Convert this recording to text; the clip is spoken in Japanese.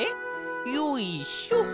よいしょ。